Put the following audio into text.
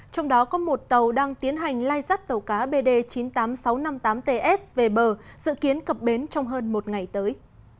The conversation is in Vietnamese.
trong đó có một tàu đang tiến hành lai dắt tàu cá bd chín mươi tám nghìn sáu trăm năm mươi tám ts về bờ dự kiến cập bến trong hơn một ngày tới